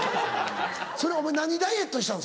それお前何ダイエットしたの？